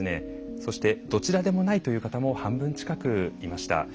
そしてどちらでもないという方も半分近くいました。